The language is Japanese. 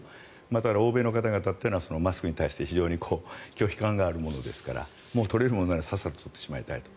また、欧米の方々はマスクに対して非常に拒否感があるものですから取れるものならさっさと取ってしまいたいと。